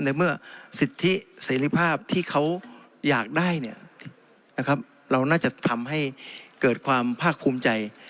ในเมื่อสิทธิเสร็จภาพที่เขาอยากได้เนี่ยนะครับเราน่าจะทำให้เกิดความภาคคุ้มใจ